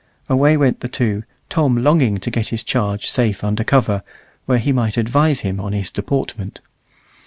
Away went the two, Tom longing to get his charge safe under cover, where he might advise him on his deportment.